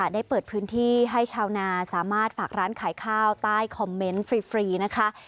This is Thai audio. ได้เปิดพื้นที่ให้ชาวนาสามารถฝากร้านขายข้าวใต้คอมเมนต์ฟรีนะคะ